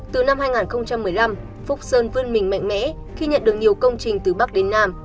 từ năm hai nghìn một mươi năm phúc sơn vươn mình mạnh mẽ khi nhận được nhiều công trình từ bắc đến nam